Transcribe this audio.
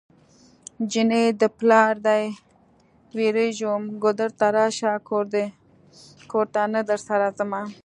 جنۍ د پلاره دی ويريږم ګودر ته راشه کور ته نه درسره ځمه